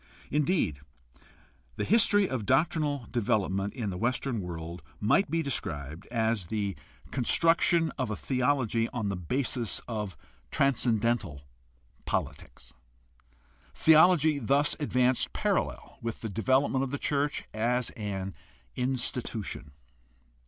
Indeed, the history of doctrinal development in the Western world might be described as the construction of a theology on the basis of transcendental politics. Theology thus advanced parallel with the development of the church as an institution.